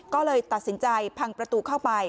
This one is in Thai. ก็เลยตัดสินใจพังประตูเข้าไป